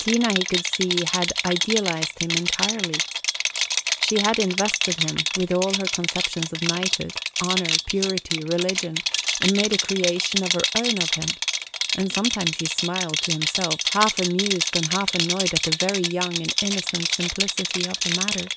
Tina he could see had idealized him entirely. She had invested him with all her conceptions of knighthood, honor, purity, religion, and made a creation of her own of him; and sometimes he smiled to himself, half amused and half annoyed at the very young and innocent simplicity of the matter.